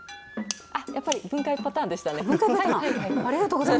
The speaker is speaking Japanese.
やっぱり分解パターンでしたね。